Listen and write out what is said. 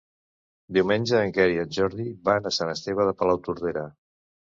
Diumenge en Quer i en Jordi van a Sant Esteve de Palautordera.